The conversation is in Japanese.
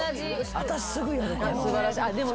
私すぐやるかも。